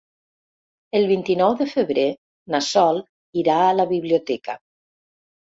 El vint-i-nou de febrer na Sol irà a la biblioteca.